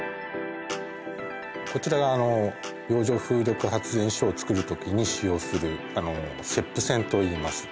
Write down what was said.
こちらが洋上風力発電所を造る時に使用するＳＥＰ船といいます。